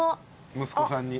息子さんに。